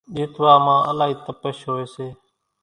ۮيتوا مان الائي تپش ھوئي سي